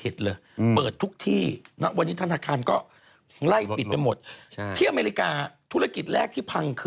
ที่อเมริกาธุรกิจแรกที่พัง